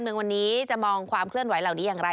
หนึ่งวันนี้จะมองความเคลื่อนไหวเหล่านี้อย่างไร